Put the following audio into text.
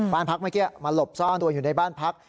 บ้านพักเมื่อกี้มาหลบซ่อนตัวอยู่ในบ้านพัก